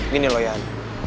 gini loh yan